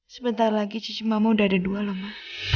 sebentar lagi cucu mama udah ada dua loh ma